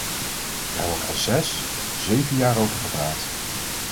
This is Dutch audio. Daar wordt al zes, zeven jaar over gepraat.